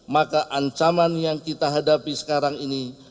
maka ancaman yang kita hadapi sekarang ini